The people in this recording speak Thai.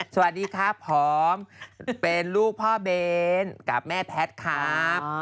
สวัสดีครับผมเป็นลูกพ่อเบ้นกับแม่แพทย์ครับ